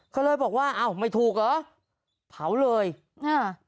เขาเลยบอกว่าอ้าวไม่ถูกเหรอเผาเลยอ่า